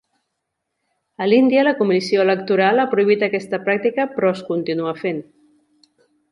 A l'Índia, la Comissió Electoral ha prohibit aquesta pràctica però es continua fent.